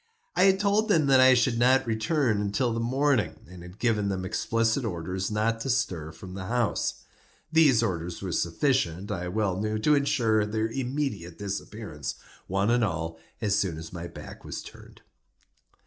I had told them that I should not return until the morning, and had given them explicit orders not to stir from the house. These orders were sufficient, I well knew, to insure their immediate disappearance, one and all, as soon as my back was turned.